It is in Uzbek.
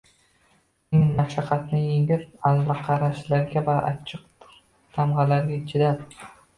ming mashaqqatlarni yengib, olaqarashlarga va achchiq tamg‘alarga chidab